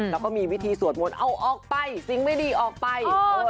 แล้วก็มีวิธีสวดมนต์เอาออกไปสิ่งไม่ดีออกไป